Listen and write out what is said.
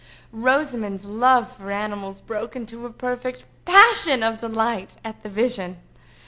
Rosamond's love for animals broke into a perfect passion of delight at the vision.